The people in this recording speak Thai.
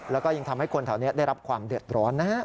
แล้วก็ยังทำให้คนแถวนี้ได้รับความเดือดร้อนนะฮะ